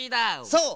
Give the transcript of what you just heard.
そう！